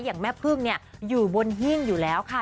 อย่างแม่พึ่งเนี่ยอยู่บนหิ้งอยู่แล้วค่ะ